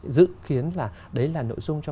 dự kiến là đấy là nội dung cho